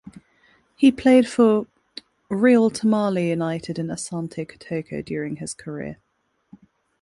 He played for Real Tamale United and Asante Kotoko during his career.